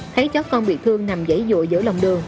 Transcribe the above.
thấy chó con bị thương nằm dãy dội giữa lòng đường